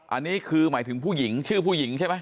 อันนี้คือหมายถึงผู้หญิงชื่อผู้หญิงใช่ไหม